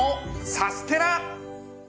サステナ！